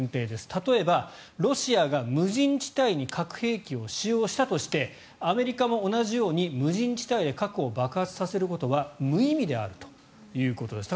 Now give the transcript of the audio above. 例えば、ロシアが無人地帯に核兵器を使用したとしてアメリカも同じように無人地帯で核を爆発させることは無意味であるということです。